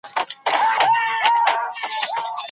ریموټ کنټرول د میز په څنډه پروت دی.